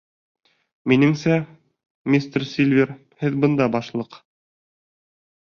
— Минеңсә, мистер Сильвер, һеҙ бында башлыҡ.